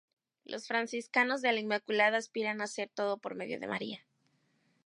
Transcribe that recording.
Los Franciscanos de la Inmaculada aspiran a hacer todo por medio de María.